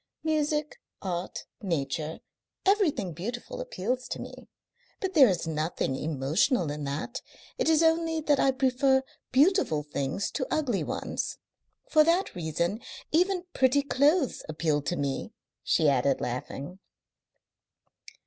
Music, art, nature, everything beautiful appeals to me. But there is nothing emotional in that. It is only that I prefer beautiful things to ugly ones. For that reason even pretty clothes appeal to me," she added, laughing.